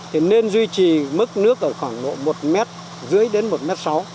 thì nên duy trì mức nước ở khoảng độ một m dưới đến một m sáu